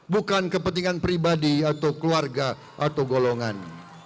bukan kepentingan pribadi atau keluarga atau golongan